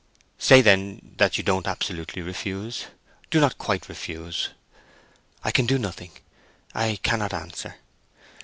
"Say then, that you don't absolutely refuse. Do not quite refuse?" "I can do nothing. I cannot answer."